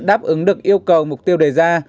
đáp ứng được yêu cầu mục tiêu đề ra